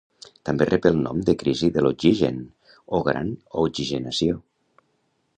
També rep el nom de crisi de l'oxigen o gran oxigenació.